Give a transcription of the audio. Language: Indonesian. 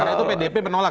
karena itu pdp menolak